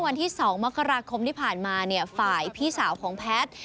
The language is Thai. วันที่๒มกราคมที่ผ่านมาเนี่ยฝ่ายพี่สาวของแพทย์